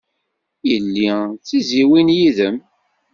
Yelli d tizzyiwin yid-m.